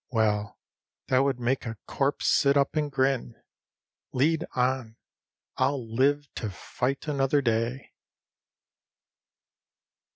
Well, that would make a corpse sit up and grin. ... Lead on! I'll live to fight another day.